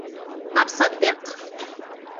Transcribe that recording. ما بصدق